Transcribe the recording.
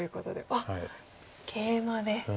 あっケイマで。